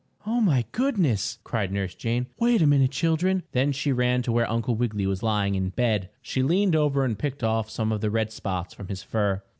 "Oh, my goodness!" cried Nurse Jane. "Wait a minute, children!" Then she ran to where Uncle Wiggily was lying in bed. She leaned over and picked off some of the red spots from his fur.